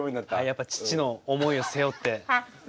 やっぱり父の思いを背負って。